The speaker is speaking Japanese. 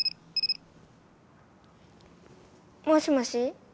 もしもし？